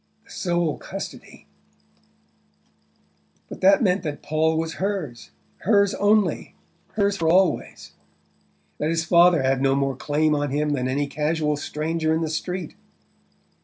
The sole custody! But that meant that Paul was hers, hers only, hers for always: that his father had no more claim on him than any casual stranger in the street!